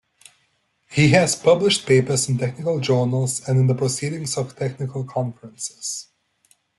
He has published papers in technical journals and in the proceedings of technical conferences.